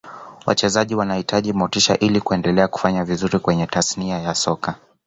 wachezaji wanahitaji motisha ili kuendelea kufanya vizuri kwenye tasnia ya soka